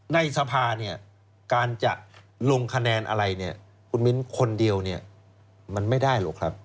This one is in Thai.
ในสภาเนี่ยการจะลงคะแนนอะไรเนี่ยคุณมิ้นคนเดียวเนี่ยมันไม่ได้หรอกครับ